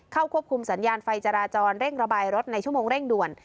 ควบคุมสัญญาณไฟจราจรเร่งระบายรถในชั่วโมงเร่งด่วน